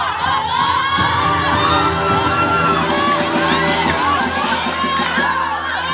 ฟัง